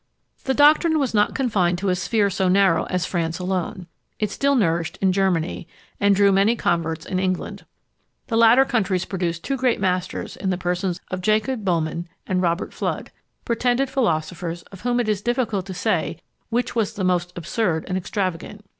The doctrine was not confined to a sphere so narrow as France alone; it still nourished in Germany, and drew many converts in England. The latter countries produced two great masters in the persons of Jacob Böhmen and Robert Fludd pretended philosophers, of whom it is difficult to say which was the more absurd and extravagant.